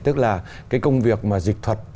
tức là cái công việc mà dịch thuật